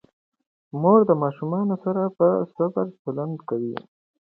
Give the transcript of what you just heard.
مور د ماشومانو سره په صبر چلند کوي.